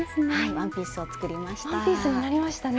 ワンピースになりましたね。